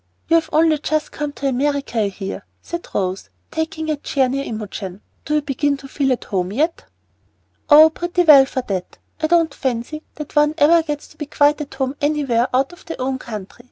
"You've only just come to America, I hear," said Rose, taking a chair near Imogen. "Do you begin to feel at home yet?" "Oh, pretty well for that. I don't fancy that one ever gets to be quite at home anywhere out of their own country.